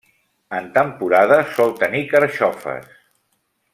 En temporada sol tenir carxofes.